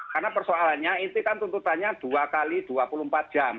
karena persoalannya inti kan tuntutannya dua x dua puluh empat jam